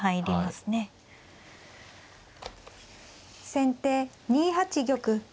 先手２八玉。